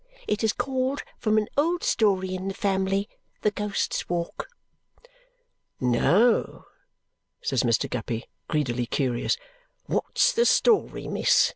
It is called, from an old story in the family, the Ghost's Walk." "No?" says Mr. Guppy, greedily curious. "What's the story, miss?